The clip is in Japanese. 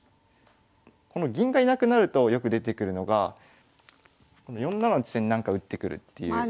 この銀がいなくなるとよく出てくるのがこの４七の地点になんか打ってくるっていうことで。